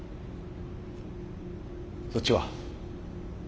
そっちは？